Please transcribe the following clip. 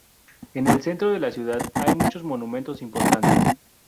En el centro de la ciudad hay muchos monumentos importantes.